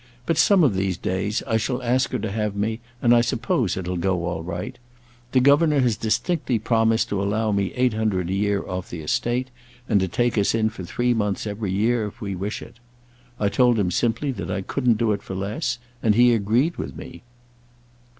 But, some of these days, I shall ask her to have me, and I suppose it'll all go right. The governor has distinctly promised to allow me eight hundred a year off the estate, and to take us in for three months every year if we wish it. I told him simply that I couldn't do it for less, and he agreed with me."